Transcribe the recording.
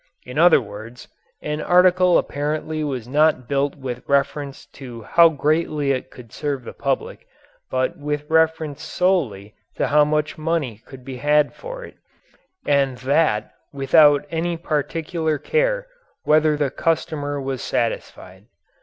In other words, an article apparently was not built with reference to how greatly it could serve the public but with reference solely to how much money could be had for it and that without any particular care whether the customer was satisfied.